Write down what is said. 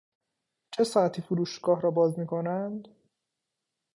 چه ساعتی فروشگاه را باز میکنند؟